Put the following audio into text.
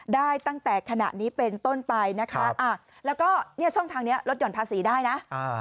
ได้ตั้งแต่ขณะนี้เป็นต้นไปนะคะแล้วก็เนี่ยช่องทางนี้ลดหย่อนภาษีได้นะ